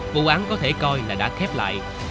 vụ án có thể coi là đã khép lại